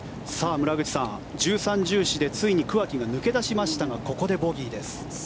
村口さん、１３、１４でついに桑木が抜け出しましたがここでボギーです。